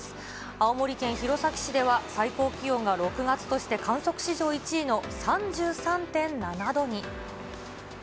青森県弘前市では、最高気温が６月として観測史上１位の３３．７度に。